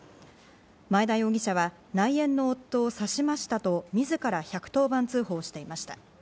前田容疑者は、内縁の夫を刺しましたと、自ら１１０番通報していました。